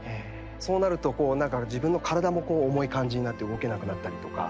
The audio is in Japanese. そうなるとこうなんか自分の体も重い感じになって動けなくなったりとか。